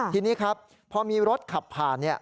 ทีนี้ครับพอมีรถขับผ่าน